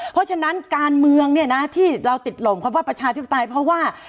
เพราะฉะนั้นการเมืองเนี่ยนะที่เราติดหลงคำว่าประชาธิปไตยเพราะว่า